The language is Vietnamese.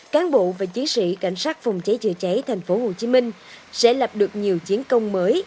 cán bộ và chiến sĩ cảnh sát phòng cháy chữa cháy tp hcm sẽ lập được nhiều chiến công mới